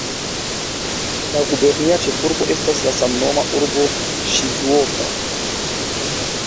La gubernia ĉefurbo estas la samnoma urbo Ŝizuoka.